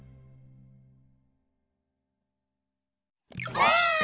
ばあっ！